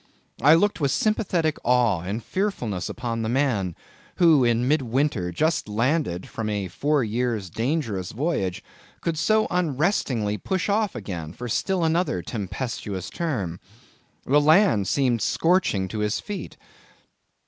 I looked with sympathetic awe and fearfulness upon the man, who in mid winter just landed from a four years' dangerous voyage, could so unrestingly push off again for still another tempestuous term. The land seemed scorching to his feet.